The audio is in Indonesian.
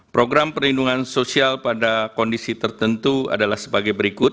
program perlindungan sosial pada kondisi tertentu adalah sebagai berikut